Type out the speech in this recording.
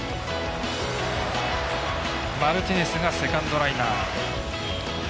マルティネスがセカンドライナー。